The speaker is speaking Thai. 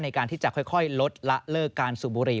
ในการที่จะค่อยลดละเลิกการสูบบุหรี่